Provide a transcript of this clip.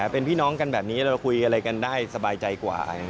เป็นพี่น้องกันแบบนี้เราคุยอะไรกันได้สบายใจกว่า